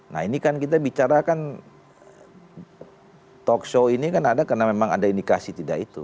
nah ini kan kita bicara kan talk show ini kan ada karena memang ada indikasi tidak itu